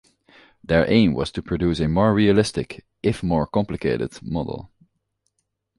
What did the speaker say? Their aim was to produce a more realistic, if more complicated, model.